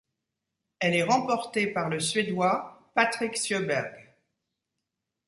Elle est remportée par le Suédois Patrik Sjöberg.